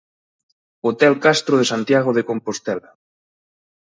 Hotel Castro de Santiago de Compostela.